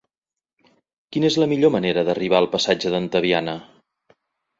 Quina és la millor manera d'arribar al passatge d'Antaviana?